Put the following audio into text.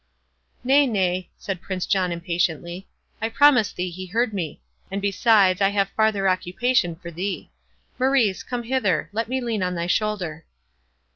"Nay, nay," said Prince John, impatiently, "I promise thee he heard me; and, besides, I have farther occupation for thee. Maurice, come hither; let me lean on thy shoulder."